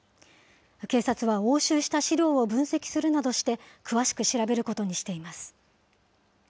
警察は押収した資料を分析するなどして、詳しく調べることにしています。